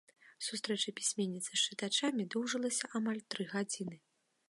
Сустрэча пісьменніцы з чытачамі доўжылася амаль тры гадзіны.